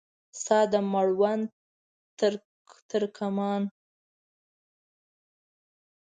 ستا د مړوند ترکمان